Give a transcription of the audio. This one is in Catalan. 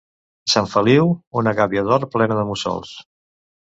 Sant Feliu: una gàbia d'or plena de mussols.